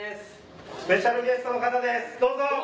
スペシャルゲストの方ですどうぞ！